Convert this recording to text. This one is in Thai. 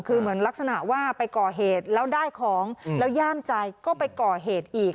คือเหมือนลักษณะว่าไปก่อเหตุแล้วได้ของแล้วย่ามใจก็ไปก่อเหตุอีก